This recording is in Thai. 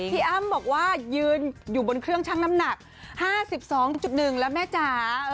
อ้ำบอกว่ายืนอยู่บนเครื่องชั่งน้ำหนัก๕๒๑แล้วแม่จ๋า